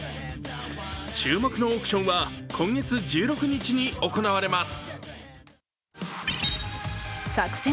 注目のオークションは今月１１日に行われます。